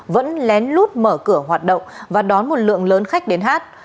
vẫn lén lút mở cửa hoạt động và đón một lượng lớn khách đến hát